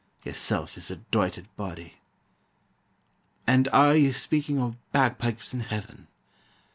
Yersel' is the doited body. "And are ye speaking o' bagpipes in Heaven?